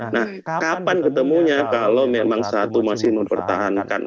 nah kapan ketemunya kalau memang satu masih mempertahankan